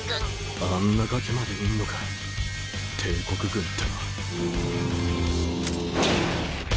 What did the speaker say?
あんなガキまでいんのか帝国軍ってのは。